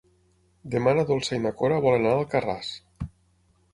Demà na Dolça i na Cora volen anar a Alcarràs.